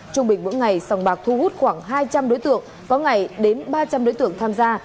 trung bình mỗi ngày sòng bạc thu hút khoảng hai trăm linh đối tượng có ngày đến ba trăm linh đối tượng tham gia